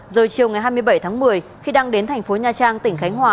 giờ chiều ngày hai mươi bảy tháng một mươi khi đang đến thành phố nha trang tỉnh khánh hòa